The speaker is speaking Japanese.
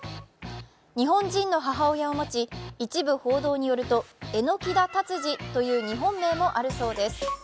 日本人の母親を持ち、一部報道によると榎田達治という日本人名もあるそうです。